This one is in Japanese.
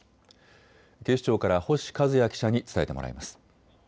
警視庁から星和也記者に伝えてもらいます。